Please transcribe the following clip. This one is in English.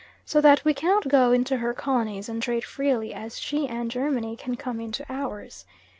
so that we cannot go into her colonies and trade freely as she and Germany can come into ours.